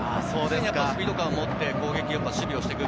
スピード感を持って攻撃と守備をしてくる。